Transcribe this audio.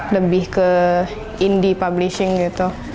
lebih ke indi publishing gitu